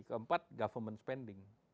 keempat government spending